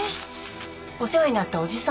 お世話になったおじさん